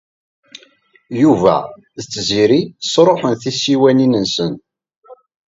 Yuba ed Tiziri sṛuḥen tisiwanin-nsen.